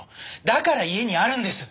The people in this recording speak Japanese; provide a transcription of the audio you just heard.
だから家にあるんです。